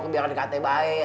biar dikate baik